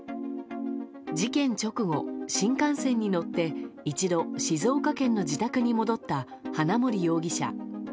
事件直後、新幹線に乗って一度静岡県の自宅に戻った花森容疑者。